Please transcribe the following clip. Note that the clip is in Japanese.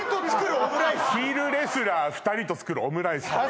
ヒールレスラー２人と作るオムライスとか